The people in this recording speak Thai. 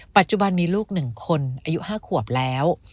ปัจจุบันมีลูก๑คนอายุ๕ขวบแล้ว